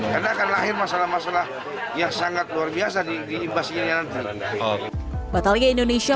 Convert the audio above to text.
karena akan lahir masalah masalah yang sangat luar biasa di ibasin yang bataliga indonesia